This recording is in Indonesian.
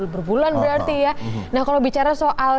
berbulan berarti ya nah kalau bicara soal